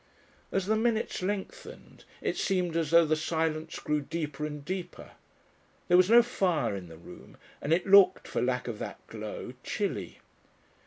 As the minutes lengthened it seemed as though the silence grew deeper and deeper. There was no fire in the room, and it looked, for lack of that glow, chilly.